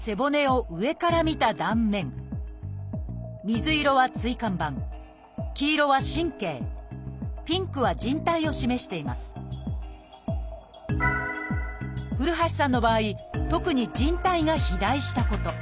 水色は椎間板黄色は神経ピンクはじん帯を示しています古橋さんの場合特にじん帯が肥大したこと。